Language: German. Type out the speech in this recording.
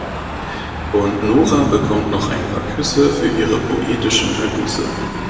Und Nora bekommt noch ein paar Küsse für ihre poetischen Ergüsse.